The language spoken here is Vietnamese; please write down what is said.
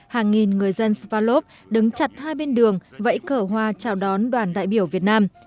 hàng nghìn người dân sivalov đứng chặt hai bên đường vẫy cỡ hoa chào đón đoàn đại biểu việt nam